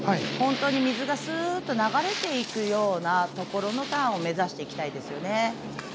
本当に水がスーッと流れていくようなところのターンを目指したいですね。